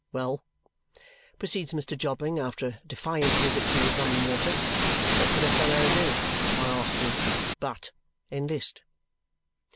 Well," proceeds Mr. Jobling after a defiant visit to his rum and water, "what can a fellow do, I ask you, BUT enlist?"